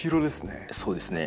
そうですね。